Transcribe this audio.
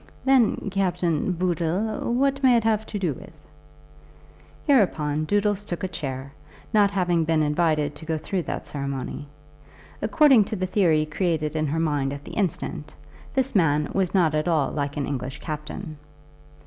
"Then, Captain Bood dle, what may it have to do with?" Hereupon Doodles took a chair, not having been invited to go through that ceremony. According to the theory created in her mind at the instant, this man was not at all like an English captain.